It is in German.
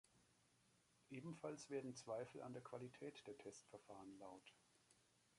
Ebenfalls werden Zweifel an der Qualität der Testverfahren laut.